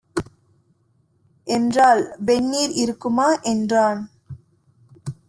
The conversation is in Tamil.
என்றாள். "வெந்நீர் இருக்குமா" என்றான்.